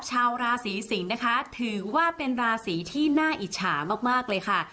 ชาวราศีสิงศ์นะคะถือว่าเป็นราศีที่น่าอิจฉามากเลยค่ะ